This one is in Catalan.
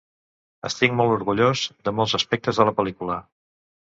Estic molt orgullós de molts aspectes de la pel·lícula.